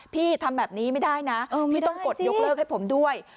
พี่ทำแบบนี้ไม่ได้นะพี่ต้องกดยกเลิกให้ผมด้วย